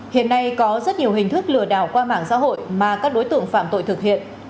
hiện nay có rất nhiều hình thức lừa đảo qua mạng xã hội mà các đối tượng phạm tội thực hiện